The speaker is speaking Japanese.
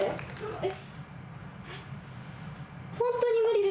えっ？